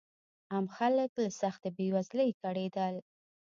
عام خلک له سختې بېوزلۍ کړېدل.